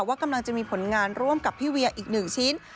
ว่ากำลังจะมีผลงานร่วมกับพี่เวียอีกหนึ่งชิ้น